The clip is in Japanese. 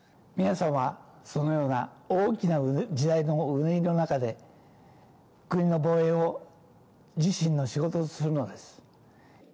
皆さんはそのような大きな時代のうねりの中で、国の防衛を自身の仕事とするのです。